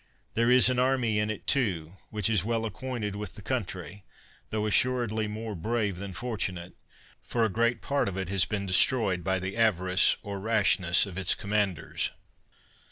There is an army in it, too, which is well ac quainted with the country, tho, assuredly, more brave than fortunate; for a great part of it has been destroyed by the avarice or rashness of its commanders.